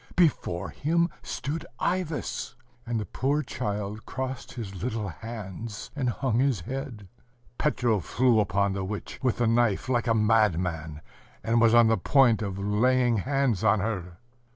before him stood Ivas. And the poor child crossed his little hands, and hung his head. ... Petro flew upon the witch with the knife like a madman, and was on the point of laying hands on her.